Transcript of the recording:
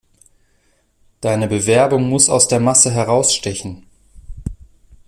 Deine Bewerbung muss aus der Masse herausstechen.